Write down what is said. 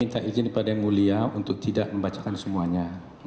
minta izin pada mulia untuk tidak membacakan semuanya